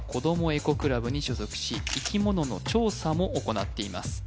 エコクラブに所属し生き物の調査も行っています